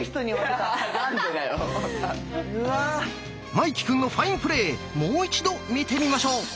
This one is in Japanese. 茉生くんのファインプレーもう一度見てみましょう。